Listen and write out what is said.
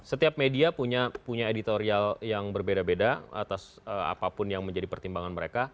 setiap media punya editorial yang berbeda beda atas apapun yang menjadi pertimbangan mereka